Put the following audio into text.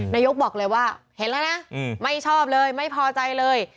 นายกบอกเลยว่าเห็นแล้วนะไม่ชอบเลยไม่พอใจเลย